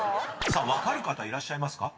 ［分かる方いらっしゃいますか？